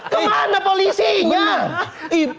kemana polisinya benar